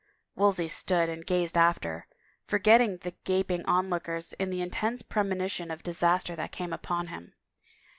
Wolsey stood and gazed after, forgetting the gaping onlookers in the intense premonition of disaster that came upon him.